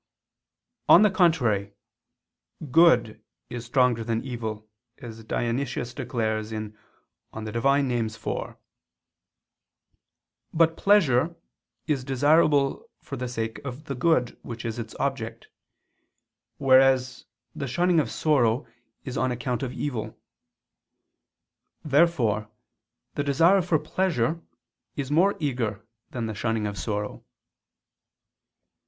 On the contrary, Good is stronger than evil, as Dionysius declares (Div. Nom. iv). But pleasure is desirable for the sake of the good which is its object; whereas the shunning of sorrow is on account of evil. Therefore the desire for pleasure is more eager than the shunning of sorrow.